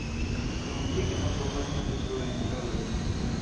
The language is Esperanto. Unu signo povas havi plurajn rolojn.